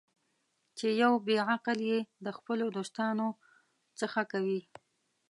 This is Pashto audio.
چې یو بې عقل یې د خپلو دوستانو څخه کوي.